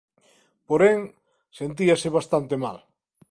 Porén, sentíase bastante mal.